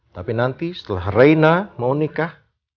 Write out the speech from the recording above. tapi nanti setelah raina mau nikah